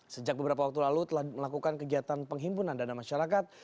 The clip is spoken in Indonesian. sejak beberapa waktu lalu telah melakukan kegiatan penghimpunan dana masyarakat